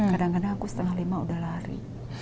kadang kadang aku setengah lima udah lari